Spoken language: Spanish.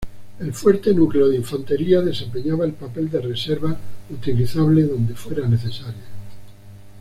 El fuerte núcleo de Infantería desempeñaba el papel de reserva utilizable donde fuera necesario.